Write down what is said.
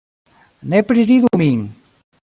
Ne priridu min